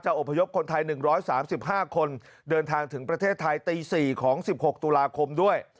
อบพยพคนไทย๑๓๕คนเดินทางถึงประเทศไทยตี๔ของ๑๖ตุลาคมด้วย